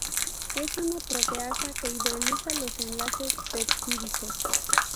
Es una proteasa que hidroliza los enlaces peptídicos.